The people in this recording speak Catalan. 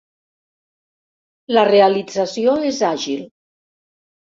La realització és àgil.